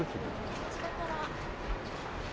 こちらから。